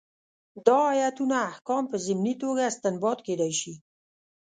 دا ایتونه احکام په ضمني توګه استنباط کېدای شي.